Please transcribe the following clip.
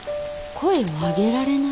声をあげられない。